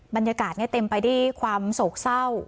บรรยากาศเต็มไปด้วยความโศกเศร้า